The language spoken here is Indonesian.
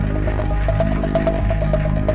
semoga kamu wegik aku banyak kali